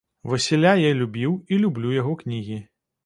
Васіля я любіў і люблю яго кнігі.